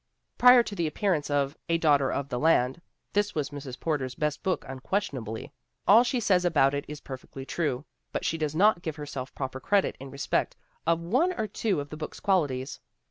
' Prior to the appearance of A Daughter of the Land this was Mrs. Porter's best book, unquestionably. All she says about it is perfectly true, but she does not give herself proper credit in respect of one or two of the book's qualities.